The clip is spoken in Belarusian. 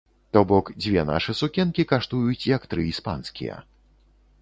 То бок дзве нашы сукенкі каштуюць як тры іспанскія.